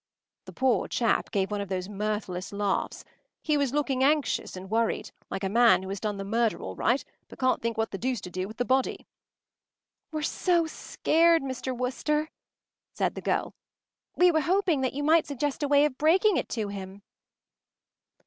” The poor chap gave one of those mirthless laughs. He was looking anxious and worried, like a man who has done the murder all right but can’t think what the deuce to do with the body. “We’re so scared, Mr. Wooster,” said the girl. “We were hoping that you might suggest a way of breaking it to him.